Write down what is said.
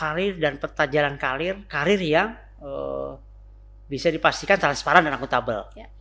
karir dan peta jalan karir karir yang bisa dipastikan transparan dan akutabel